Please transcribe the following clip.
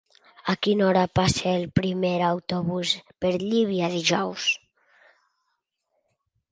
A quina hora passa el primer autobús per Llívia dijous?